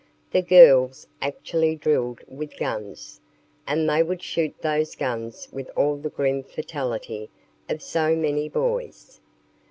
The girls actually drilled with guns, and they would shoot those guns with all the grim fatality of so many boys.